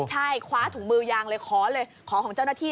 ใช่คว้าถุงมือยางเลยขอเลยขอของเจ้าหน้าที่